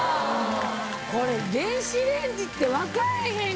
これ電子レンジって分からへん